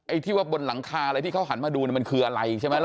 ที่ว่าบนหลังคาอะไรที่เขาหันมาดูมันคืออะไรใช่ไหม